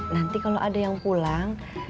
nanti kalau ada yang pulang